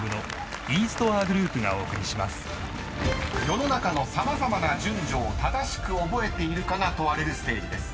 ［世の中の様々な順序を正しく覚えているかが問われるステージです。